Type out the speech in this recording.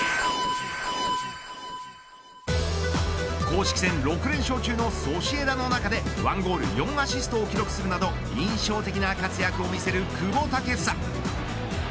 公式戦６連勝中のソシエダの中で１ゴール４アシストを記録するなど印象的な活躍を見せる久保建英。